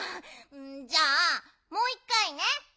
じゃあもういっかいね。